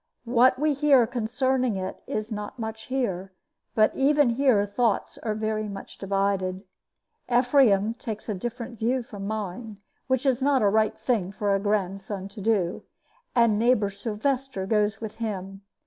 What we hear concerning it is not much here; but even here thoughts are very much divided. Ephraim takes a different view from mine; which is not a right thing for a grandson to do; and neighbor Sylvester goes with him.